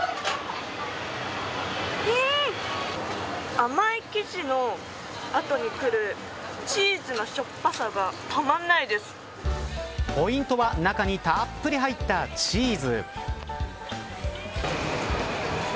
甘い生地の後にくるチーズのしょっぱさがポイントは中にたっぷり入ったチーズ。